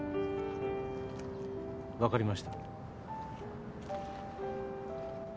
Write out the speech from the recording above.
分かりました。